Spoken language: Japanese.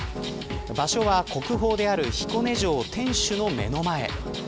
場所は、国宝である彦根城天守の目の前。